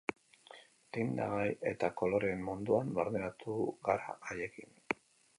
Tindagai eta koloreen munduan barneratu gara haiekin.